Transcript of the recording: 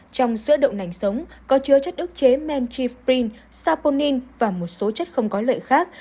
trong sữa đậu nành sống có chứa chất ước chế mentifren saponin và một số chất không có lợi khác